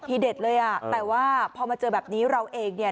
เด็ดเลยอ่ะแต่ว่าพอมาเจอแบบนี้เราเองเนี่ย